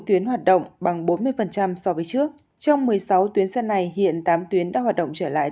tuyến hoạt động bằng bốn mươi so với trước trong một mươi sáu tuyến xe này hiện tám tuyến đã hoạt động trở lại